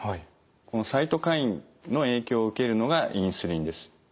このサイトカインの影響を受けるのがインスリンです。